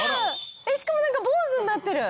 「しかもなんか坊主になってる」